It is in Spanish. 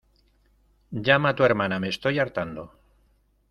¡ llama a tu hermana, me estoy hartando!